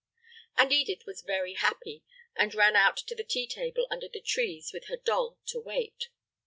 And Edith was very happy, and ran out to the tea table under the trees with her doll to wait.